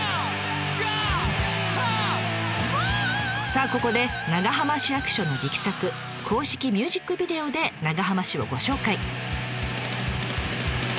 さあここで長浜市役所の力作公式ミュージックビデオで長浜市をご紹介。